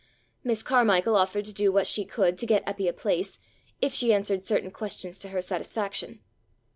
Miss Carmichael offered to do what she could to get Eppy a place, if she answered certain questions to her satisfaction.